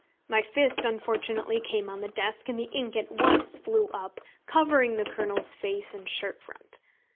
My fist unfortunately came on the desk, and the ink at once flew up, covering the Colonel's face and shirt front.